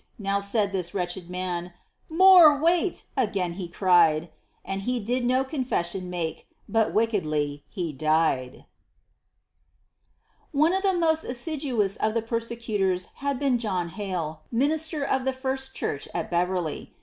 now said this wretched man; "More weight!" again he cried; And he did no confession make, But wickedly he dyed. One of the most assiduous of the prosecutors had been John Hale, minister of the First Church at Beverly.